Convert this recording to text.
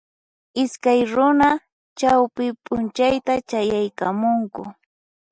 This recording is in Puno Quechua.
Iskay runa chawpi p'unchayta chayaykamunku